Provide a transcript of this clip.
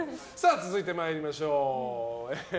続いて参りましょう。